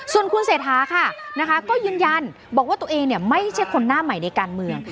ส่วนคุณเศรษฐาค่ะนะคะก็ยืนยันบอกว่าตัวเองไม่ใช่คนหน้าใหม่ในการเมือง